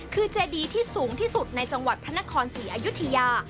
คือเจดีที่สูงที่สุดในจังหวัดพระนครศรีอยุธยา